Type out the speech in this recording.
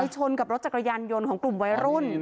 ชนกับรถจักรยานยนต์ของกลุ่มวัยรุ่น